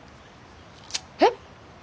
えっ！？